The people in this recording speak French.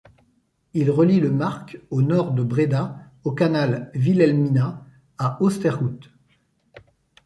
Il relie le Mark au nord de Bréda au Canal Wilhelmina à Oosterhout.